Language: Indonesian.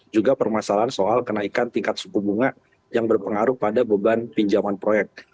juga permasalahan soal kenaikan tingkat suku bunga yang berpengaruh pada beban pinjaman proyek